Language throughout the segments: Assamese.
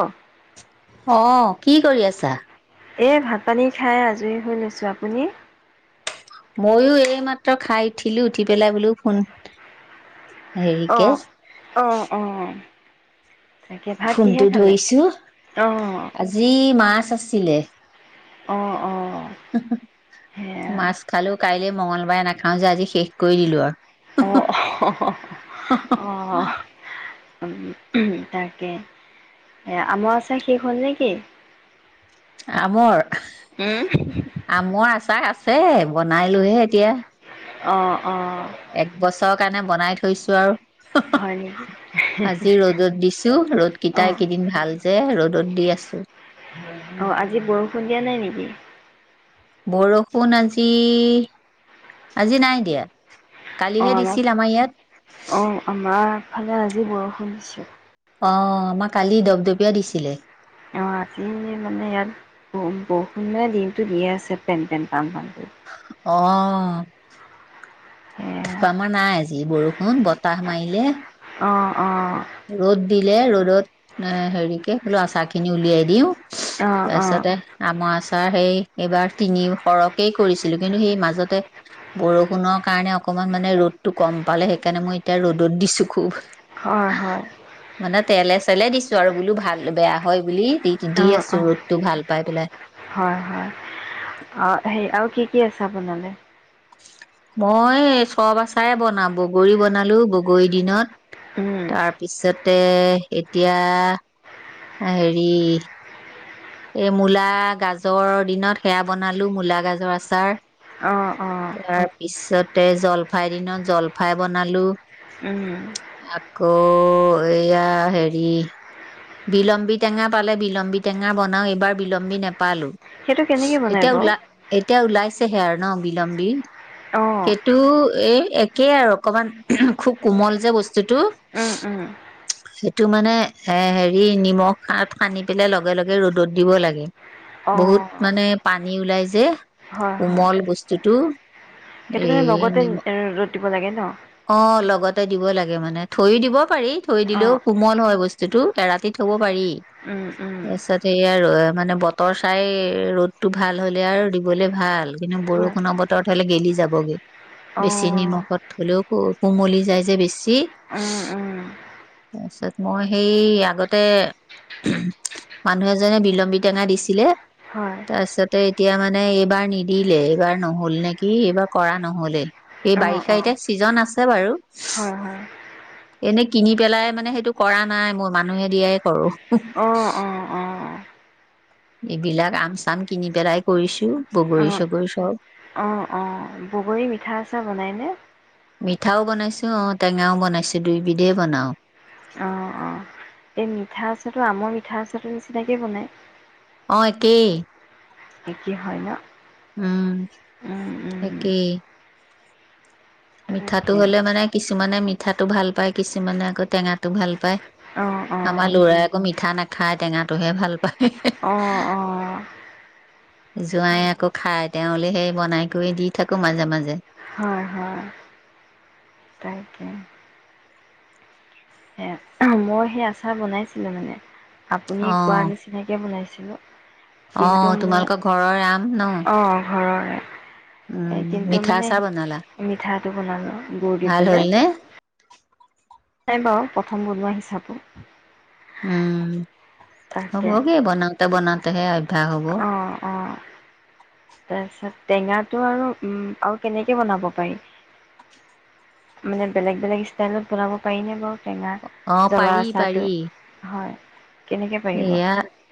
অ অ' কি কৰি আছা? এ ভাত পানী খাই আজৰি হৈ লৈছো আপুনি? ময়ো এইমাত্ৰ খাই উঠিলো উঠি পেলাই বুলো ফোন হেৰিকে অ' অ' অ' তাকে ভাত কিহে ফোনটো খালে ধৰিছো অ আজি মাছ আছে [unintelligible] অ' অ'। সেয়া মাছ খালো কাইলে মঙ্ল [unintelligible] নাখাও যে আজি শেষ কৰি দিলো আৰু অ' অ'। তাকে। আমৰ আচাৰ শেষ হ'ল নে কি? আমৰ আমৰ আচাৰ আছে ছে বনাই লোহে এতিয়া অ'। অ এক বছৰ কাৰণে বনাই থৈছো আৰু হয় নেকি আজি ৰ'দত দিছো ৰ'দ অ কিতা ইকিদিন ভাল যে ৰ'দ ৰদ দি আছো অ আজি বৰষুণ দিয়া নাই নেকি? বৰষুণ আজি আজি নাই দিয়া। অ কালিহে দিছিল আমাৰ ইয়াত, অ আমাৰ ইফালে আজি বৰষুণ দিছে। অ আমাৰ কালি দপদপিয়া দিছিলে। অ আজি মানে মানে ইয়াত ব -বৰষুণ মানে দিনটো দিয়ে আছে পেন পেন পান পান কৰি। অ সেয়া [unintelligible] নাই যি বৰষুণ বতাহ মাৰিলে। অ ৰদ দিলে ৰ'দত হেৰি কে বলো আচাৰ খিনি উলিয়াই দিওঁ। অঁ অঁ তাৰপিছতে আমাৰ ছাৰ সেই এইবাৰ তিনি সৰহকেই কৰিছিলো, কিন্তু সেই মাজতে বৰষুণৰ কাৰণে অকমান মানে ৰ'দটো কম পালে সেইকাৰণে মই এতিয়া ৰ'দত দিছো খুব। হয় হয় মানে তেলে চেলে দিছো আৰু বোলো ভাল বেয়া হয় বুলি দি দি অঁ আছো অঁ ৰ'দটো ভাল পাই পেলাই। অ সেই আৰু কি কি আছে আপোনালৈ মই চব আচাৰে বনাওঁ বগৰী বনালো বগৰীৰ দিনত তাৰপিছতে এতিয়া হেৰি এই মূলা গাজৰ দিনত সেয়া বনালো, মূলা গাজৰ আচাৰ অঁ অঁ তাৰপিছতে জলফাইৰ দিনত জলফাই বনালো আকৌ এয়া হেৰি বিলম্বী টেঙা পালে বিলম্বী টেঙা বনাও এইবাৰ বিলম্বী ন পালো সেইটো কেনেকৈ বনাই এতিয়া বাৰু ওল এতিয়া ওলাই ন বিলম্ব অঁ সেইটো এ একে আৰু অকমান খুব কোমল যে বস্তুটো সেইটো মানে। হ নিমখ সানি পেলাই লগে লগে ৰ'দত দিব লাগে অঁ বহুত মানে পানী ওলাই যে হয় হয় কোমল বস্তুতটো। সেইটো কাৰনে লগতে এ দিব লাগে ন অ লগতে দিব লাগে মানে থৈ দিব পাৰি থৈ দিলেও অঁ কোমল হয় বস্তুতটো এৰাতি থব পাৰি। তাৰপিছত সে আৰু এ মানে বতৰ চাই ৰ'দতটো ভাল হলে আৰু দিবলে ভাল কিন্তু হয় বৰষুণৰ বতৰত হলে গেলি যাবগে অঁ বেছি নিমখত থলেও। কোমলি যায় যে বেছি তাৰপিছত মই সেই আগতে মানুহ এজনে বিলম্বী টেঙা দিছিলে। হয় তাৰপিছতে এতিয়া মানে এইবাৰ নিদিলে এইবাৰ নহল নেকি এইবাৰ কৰা নহলে এই অঁ বাৰিষা অঁ এতিয়া চিজন আছে বাৰু হয় হয় এনে কিনি পেলাই মানে সেইটো কৰা নাই মই মানুহে দিয়াই কৰো। অঁ অঁ অঁ এইবিলাক আম চাম কিনি পেলাই কৰিছো, বগৰী চগৰী চব। অ অ বগৰী মিঠা আছে বনাইনে। মিঠাও বনাইছো অ টেঙাও বনাইছো দুইবিধে বনাওঁ। অঁ অঁ এই মিঠা আচাৰটো আমৰ মিঠা আচুটো নিচিনাকে বনাই। তাকে একেই হয় ন। উম উম উম তাকেই মিঠাটো তাকে হ'লে মানে কি কিছুমানে মিঠাটো ভাল পায়, কিছুমানে আকৌ টেঙাটো ভাল পায়, অঁ অঁ আমাৰ লৰাই আকৌ মিঠা নাখায় টেঙাটোহে ভাল পায়। অঁ অঁ জোঁৱাই আকৌ খাই তেওঁলে সেই বনাই কৰি দি থাকো মাজে মাজে হয় হয় তাকে সেয়া মই সেই আচাৰ বনাইছিলো মানে আপুনি অ কোৱাৰ নিচিনাকে বনাইছে। [unintelligible] অ কিন্তু তোমালোকৰ মোক ঘৰৰ আম ন অ ঘৰৰে এ উম কিন্তু মিঠা মানে আচাৰ বনালা মিঠাটো বনালো গুৰ দি ভাল হ'ল পেলাই নে নাই বাৰু প্ৰথম বনোৱা হিচাপো উম হ'বগে বনাওঁতে বনাওঁতে হে, অভ্যস হ'ব তাৰ পিছত টেঙাটো আৰু উ আৰু কেনেকে বনাব পাৰি মানে বেলেগ বেলেগ ষ্টাইলত বনাব পাৰিনে বাৰু। টেঙা অ জলা আচাৰটো হয়। কেনেকৈ পাৰিব ইয়া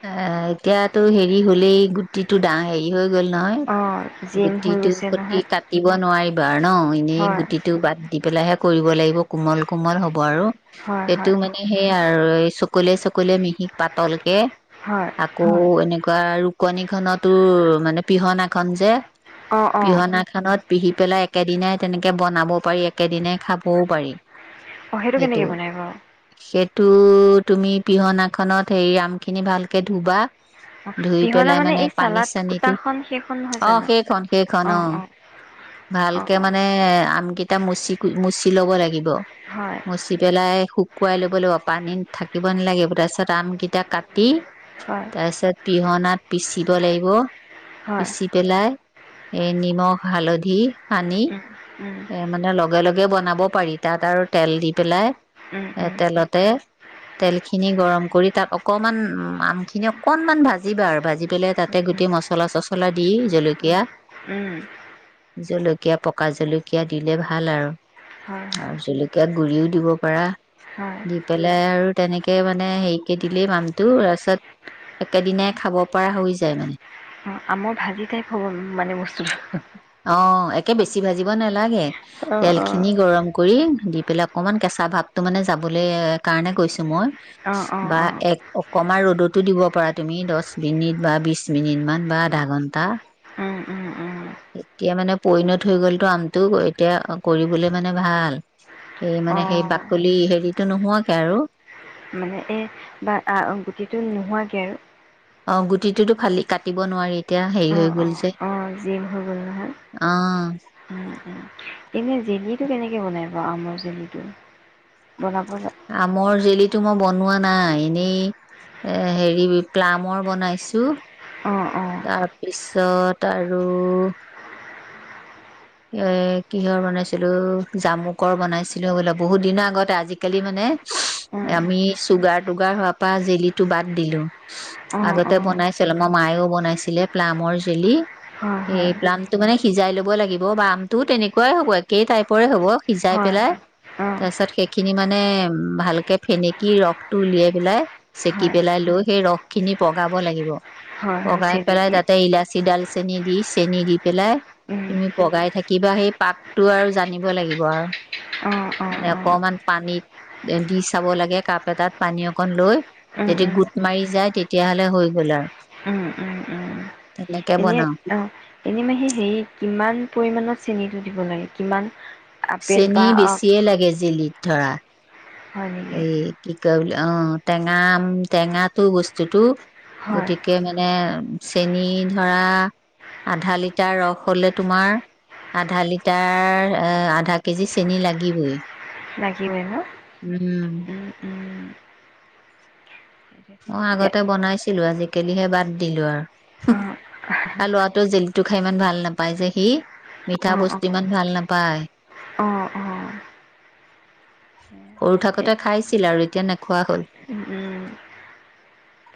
আহ এতিয়াতো হেৰি হলেই গুটিটো ডাঙৰ হেৰি হৈ গ'ল নহয় অঁ জিম হৈ গুটিটো গৈছে সতি নহয় কাটিব নোৱাৰিব [unintelligible] ন এনেই হয় গুটিটো বাদ দি পেলাই কৰিব লাগিব কোমল কোমল হ'ব আৰু হয় সেইটো হয় মানে সেইয়াই আৰু চকলিয়াই চকলিয়াই মিহি পাতলকে হয় আকৌ এনেকে ৰুকনি খতো মানে পিহনাখন যে অঁ অঁ পিহনাখনত পিহি পেলাই একেদিনাই তেনেকে বনাবও পাৰি একেদিনাই খাবও পাৰি অঁ সেইটো কেনেকৈ বনাই বাৰু তটো তুমি পিহনা খত হেৰি আম খিনি ভালকে ধুবা অঁ ধুই পিহনা পেলাই মানে এই পানী চালাড চানীটো কুটাখন সেইখন নহয় অ জানো সেইখন সেইখন অ অঁ অঁ ভালকে অঁ মানে আম কেইটা মুচি মুচি ল'ব লাগিব হয় মচি পেলাই শুকুৱাই ল'ব লাগিব পানী থাকিব নালাগে তাৰপিছত আমকেইটা কাটি হয় তাৰপিছত পিহনাত পিচিব লাগিব, হয় পিচি পেলাই এই নিমখ হালধি সানি উম, উম, এ মানে লগে লগে বনাব পাৰি, তাত আৰু তেল দি পেলাই উম, এ উম, তেলতে তেলখিনি গৰম কৰি তাত অকমান আম খিনি অকনমান ভাজিবা আৰু, ভাজি পেলাই তাতে উম, গোটেই মচলা চচলা দি জলকীয়া উম, উম, জলকীয়া পকা জলকীয়া জকীয়া দিলে ভাল আৰু হয় হয় আৰু জলকীয় গুৰিও দিব পাৰা, হয়। দি পেলাই আৰু তেনেকে মানে হেৰিকে দিলেই আমটো তাৰপিছত একেদিনাই খাব পৰা হৈ যায় মানে আম ভাজি টাইপ হ'ব মানে বস্তুটো অ একে বেছি ভাজিব নালাগে অ', অ'। তেলখিনি গৰম কৰি দি পেলাই অকণমান কেঁচা ভাৱটো মানে যাবলৈ কাৰণে গৈছোঁ মই অ', অ', বা অ', এক অকণমান ৰ'দতো দিব পাৰা তুমি দহ মিনিট বা বি মিনিটমান বা আধা ঘণ্টা উম, উম, উম, এতিয়া মানে পইণত হৈ গলতো আমটো এতিয়া কৰিবলে মানে ভাল এই মানে সেই অ'। বাকলি হেৰিতটো নোহোৱাকে আৰু মানে এ বা গুটিটো নোহোৱাকে আৰু অঁ গুটিটোতো ফালি কাটিব নোৱাৰি এতিয়া হেৰি অ', হৈ গ'ল অ', যে অ জিম হবল নহয় অ এনে জেলিটো কেনেকে বনাই ব আমৰ জেলিটো বলাবলৈ আমৰ জেলিটো মই বনোৱা নাই এনেই এ হেৰি প্লামৰ বনাইছো অ', অ', তাৰপিছত আৰু এ কিহৰ বনাইছিলো জামুকৰ বনাইছিলো বল বহুত দিনৰ আগতে আজিকালি মানে উম, আমি চুগাৰ তটুগাৰ হোৱাৰ পৰা জেলি টো বাদ দিলো অ', আগতে অ', বনাইছিলো আমাৰ মায়েও বনাইছিলে প্লামৰ জেলি হয়, এই হয়, প্লামটো মানে সিজাই ল'বই লাগিব বামটোো তেনেকুৱাই হব একেই টাইপৰে হব সিজাই হয়, পেলাই হয়। অ', তাৰ পিছত সেইখিনি মানে ভালকে ফেনেকি ৰসটো উলিয়াই পেলাই চেকি হয়, পেলাই লৈ সেই ৰস খিনি পগাব লাগিব হয়, হয় লগগাই চেনি পেলাই দি, তাতে ইলাচি ডাল চেনিী দি চেনিী দি পেলাই উম, তুমি বগাই থাকিবা সেই পাপটো আৰু জানিব লাগিব আৰু অ', অ', মানে অ'। অকমান পানীত দি চাব লাগে কাপ এটাত পানী অকণ লৈ উম, যদি উম, গোট মাৰি যায় তেতিয়াহলে হৈ গল আৰু উম, উম, উম। তেনেকে এনে বনাও অ এনে মাহী হেৰি কিমান পৰিমণত চেনিটো দিব লাগে কিমান আপেল চেনিী বা অ বেছিয়ে লাগে জেলিত ধৰা হয় নেকি এই কি অ টেঙা টেঙাটো বস্তুতটো হয় গতিকে মানে চেনী ধৰা আধা লিটাৰ ৰস হলে তোমাৰ আধা লিটাৰ এ আধা কেজি চেনি লাগিবই লাগিিবয় ন উম উম অ এতিয়া আগতে বনাইছো ছিলো আজিকালিহে বাদ দিলো আৰু অ ত লৰাটোৱে জেলিটো খাই ইমান ভাল নাপায় যে সি মিঠা অ বস্তু ইমান ভাল নাপায় অ অ অ সৰু সেই থাকোঁতে খাইছিল আৰু এতিয়া নেখোৱা হ'ল উম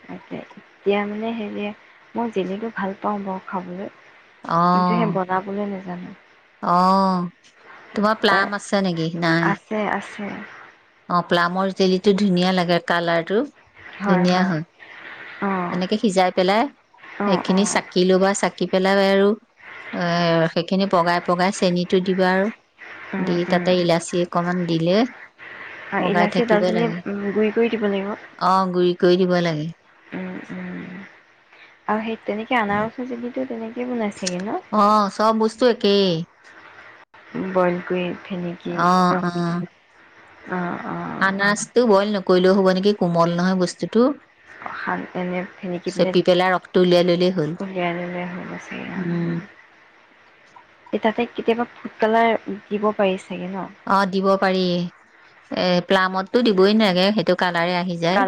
তাকে এতিয়া মানে হেৰি মই জিলেতটো ভাল পাওঁ বাৰু খাবলৈ কিন্তু সেই বনাবলৈ নাাজ জান [unintelligible] অঁ তোমাৰ প্লাম আছে নেকি নাই উম অ প্লামৰ জেলিটো ধুনীয়া লাগে কালাৰ টো ধুনীয়া হয় অ তেনেকে সিজাই পেলাই অ অ সেইখিনি চাকি লবা চাকি পেলাই আৰু এ সেইখিনি পগাই পগাই চেনটো দিবা আৰু উম দি উম তাতে ইলাচি অকমান দিলে বগাই ইলাচি থাকিব দালচেনি লাগে গুৰি কৰি দিব লাগিব। অ গুৰি কৰি দিব লাগে [unintelligible] অ সেই তেনেকে আনাৰস চো তেনেকে কি বনাইছেগৈ ন য়কে বনকুইন সেিনকিকে আ নছ্ত ব'ল ন কৰিলেও হ'ব নেকি কোমল নহয় বস্তুতটো হান এনে ফেনেকি পিনে ৰসটো উলিয়াই ললেই হ'ল উলিয়াই ললে হৈ গছে উম এ তাতে কেতিয়াবা ফুড কালাৰ দিব পাৰিছে। অ, দিব। পাৰি এ প্লামতো দিবই নালাগে সেইটো কাল আহি যায়।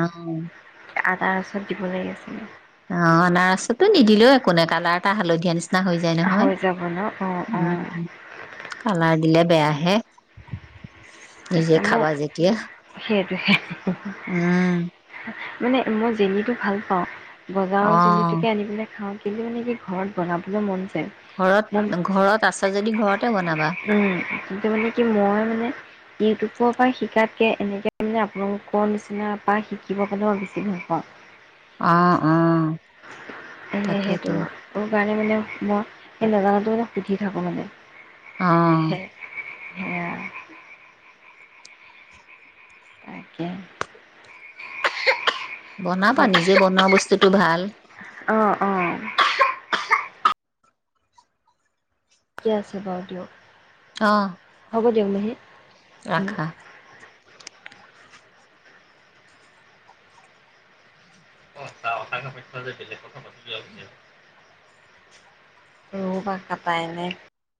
অ' আনাৰচত দিব লাগি আছিলে। অ'আনাৰসতো নিদিলেও একো নে কালাৰ এটা হালধীয়া নিচিনা নি হৈ যায় নহয়। হৈ যাব ন? অ', অ', উম, কালাৰ দিলে বেয়া আহে। তাকে নিজে মোৰ খাবা যেতিয়া। [inaudible] উম, মানে মই জনিটো ভাল পাওঁ। বজাৰৰ অ', জিলিটোকে আনি পেলাই খাওঁ। মে [unintelligible] কি ঘৰত বনাবলৈ মন যায়। মন ঘৰত-ঘৰত আছে। তই যদি ঘৰত উম কিন্তু মানে কি মই মানে ইউটিউবৰ পৰা শিকাত গতিকে এনেকৈ মানে আপোনালোকৰ নিচিনা বা শিকিবৰ কাৰণে মই বেছি ভাল পাওঁ। অ', উ, এই সেইটো মানে মই সেই নাজানো মানে সুধি থাকো মানে। আহ, অ তাকে। বনাবা নিজে বনোৱা বস্তু সেইটো ভাল। আহ, অ', ঠিকে আছে বাৰু দিয়ক। আহ, হ'ব দিয়ক নহি ৰাখা। [unintelligible] ৰ পৰা কাটাই নাই।